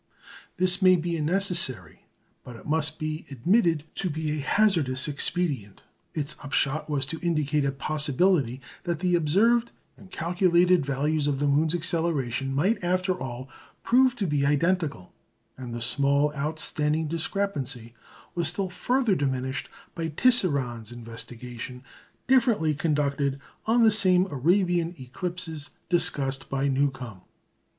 This may be a necessary, but it must be admitted to be a hazardous expedient. Its upshot was to indicate a possibility that the observed and calculated values of the moon's acceleration might after all prove to be identical; and the small outstanding discrepancy was still further diminished by Tisserand's investigation, differently conducted, of the same Arabian eclipses discussed by Newcomb.